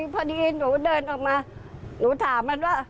พอดีหนูเดินออกมาหนูถามมันว่า